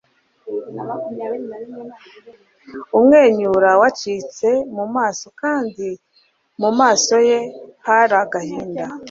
umwenyura wacitse mu maso kandi mu maso ye hari agahinda